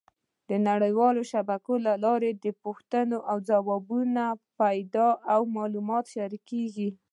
د نړیوالې شبکې له لارې د پوښتنو ځوابونه پیدا او معلومات شریکېږي.